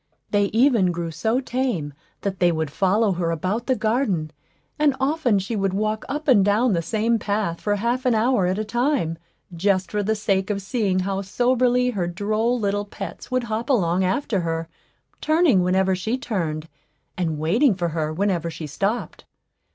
They even grew so tame that they would follow her about the garden; and often she would walk up and down the same path for half an hour at a time, just for the sake of seeing how soberly her droll little pets would hop along after her, turning whenever she turned, and waiting for her whenever she stopped.